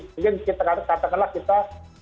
mungkin kita katakanlah kita